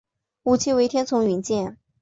武器为天丛云剑。